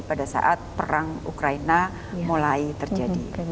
pada saat perang ukraina mulai terjadi